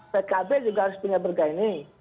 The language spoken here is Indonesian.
pkb juga harus punya bergaining